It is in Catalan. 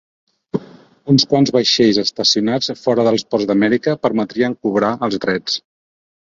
Uns quants vaixells estacionats fora dels ports d'Amèrica permetrien cobrar els drets.